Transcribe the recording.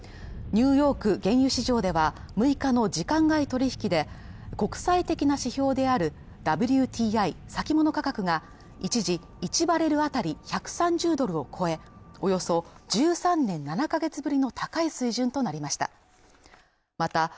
ニューヨーク原油市場では６日の時間外取引で国際的な指標であるＷＴＩ先物価格が一時１バレル当たり１３０ドルを超えおよそ１３年７か月ぶりの高い水準となりました